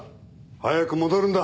早く戻るんだ。